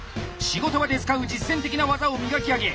仕事場で使う実践的な技を磨き上げ